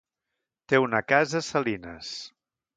Té una casa a Salines.